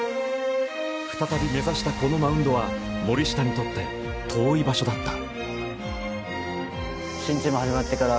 再び目指したこのマウンドは森下にとって遠い場所だった。